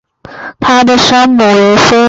她的生母韦妃。